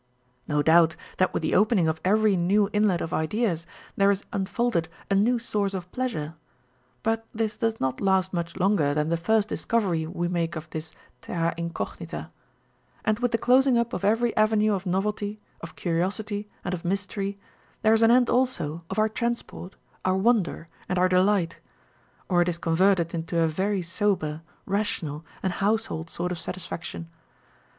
No doubt, that with the opening of every new inlet of ideas, 416 On Novelty and Familiarity. there is unfolded a new source of pleasure ; but this does not last much longer than the first discovery we make of this terra incognita ; and with the closing up of every avenue of novelty, of curiosity, and of mystery, there is an end also of our transport, our wonder, and our delight ; or it is converted into a very sober, rational, aijd house hold sort of satisfaction.